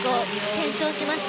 転倒しました。